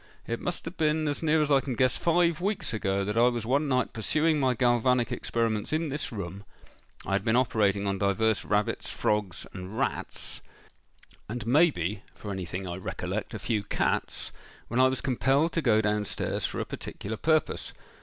It must have been, as near as I can guess, five weeks ago that I was one night pursuing my galvanic experiments in this room—I had been operating on divers rabbits, frogs, and rats—and, may be, for anything I recollect, a few cats,—when I was compelled to go down stairs for a particular purpose.